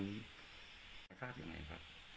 รู้จักยังไงครับ